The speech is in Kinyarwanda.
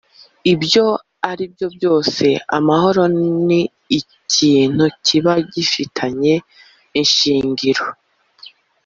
Ibyo aribyo byose amahoro ni ikintu kiba gifitanye ishingiro